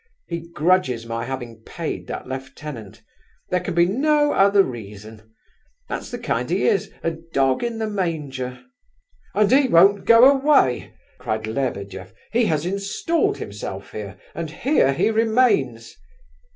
He grudges my having paid that lieutenant; there can be no other reason! That's the kind he is—a dog in the manger!" "And he won't go away!" cried Lebedeff. "He has installed himself here, and here he remains!"